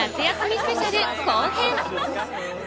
スペシャル後編。